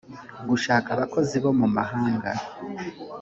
gushaka abakozi bo mu mahanga